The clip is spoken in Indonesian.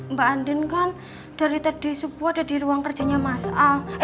mbak andin kan dari tadi subuh ada di ruang kerjanya mas al